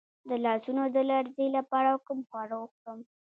د لاسونو د لرزې لپاره کوم خواړه وخورم؟